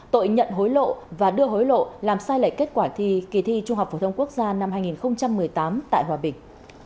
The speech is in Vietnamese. tội nhận hối lộ và đưa hối lộ làm sai lệch kết quả thi kỳ thi trung học phổ thông quốc gia năm hai nghìn một mươi tám tại hòa bình